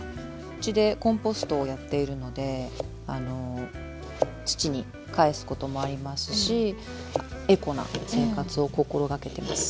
うちでコンポストをやっているので土にかえすこともありますしエコな生活を心がけてます。